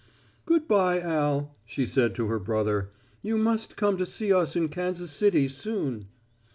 "Good bye, Al," she said to her brother. "You must come to see us in Kansas City soon."